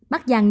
bác giang nói